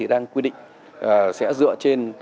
đang quyết định sẽ dựa trên